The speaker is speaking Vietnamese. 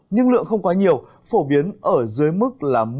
nhưng lượng không quá nhiều phổ biến ở dưới mức là